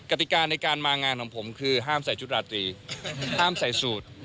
กติกาในการมางานของผมคือห้ามใส่ชุดราตรีห้ามใส่สูตร